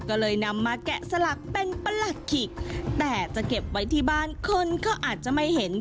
ก็เลยนำมาแกะสลักเป็นประหลัดขิกแต่จะเก็บไว้ที่บ้านคนก็อาจจะไม่เห็น